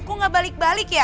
kok gak balik balik ya